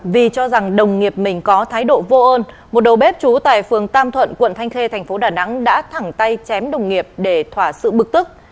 vì cho rằng đồng nghiệp mình có thái độ vô ơn một đầu bếp trú tại phường tam thuận quận thanh khê thành phố đà nẵng đã thẳng tay chém đồng nghiệp để thỏa sự bực tức